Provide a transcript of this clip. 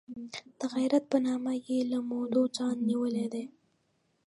د غیرت په نامه یې له مودو ځان نیولی دی.